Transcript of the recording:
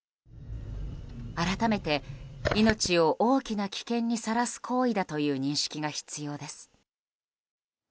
改めて、命を大きな危険にさらす行為だという認識が必要です。